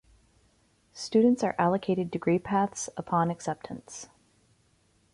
Students are allocated degree paths upon acceptance.